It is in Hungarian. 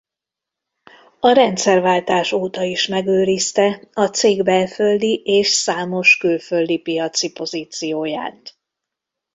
A rendszerváltás óta is megőrizte a cég belföldi és számos külföldi piaci pozícióját.